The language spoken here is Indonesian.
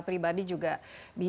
terima kasih mbak ani